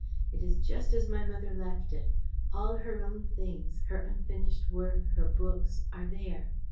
It is just as my mother left it. All her own things her unfinished work, her books are there.